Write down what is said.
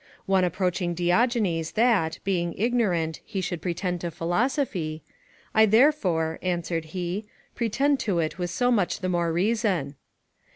One reproaching Diogenes that, being ignorant, he should pretend to philosophy; "I therefore," answered he, "pretend to it with so much the more reason."